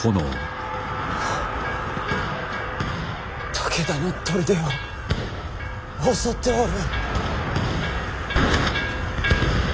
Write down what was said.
武田の砦を襲っておる！